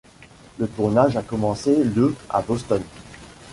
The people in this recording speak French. Le tournage a commencé le à Boston.